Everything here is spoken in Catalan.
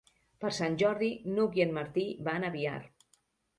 Per Sant Jordi n'Hug i en Martí van a Biar.